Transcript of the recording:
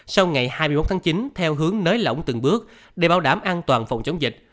sau ngày hai mươi một tháng chín theo hướng nới lỏng từng bước để bảo đảm an toàn phòng chống dịch